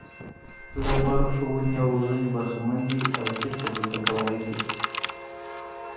له غوره ښوونې او روزنې برخمن دي او کسب زده کولای شي.